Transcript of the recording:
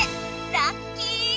ラッキー！